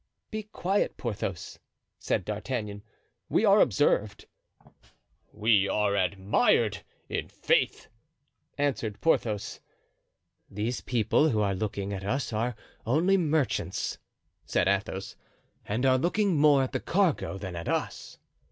"Be quiet, Porthos," said D'Artagnan, "we are observed." "We are admired, i'faith," answered Porthos. "These people who are looking at us are only merchants," said Athos, "and are looking more at the cargo than at us."